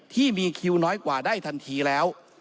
ที่มีคิวน้อยกว่าได้ทันทีแล้ว